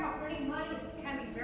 seperti punya kerja